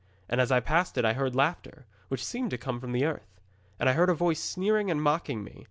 And as I passed it I heard laughter, which seemed to come from the earth. And I heard a voice sneering and mocking me.